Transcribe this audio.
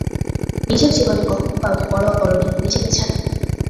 নিজের জীবনে কখনও কাউকে পরোয়া করোনি, নিজেকে ছাড়া।